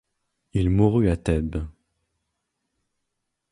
Il mourut à Thèbes.